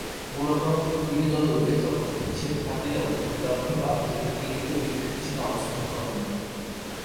মূলতঃ তিনি দলে উইকেট-রক্ষক হিসাবে থাকলেও অদ্যাবধি আন্তর্জাতিক ক্রিকেটে উইকেটের পিছনে অবস্থান করেননি।